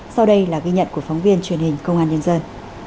sau đây là ghi nhận của phóng viên truyền hình công an nhân dân